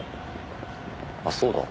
あっそうだ。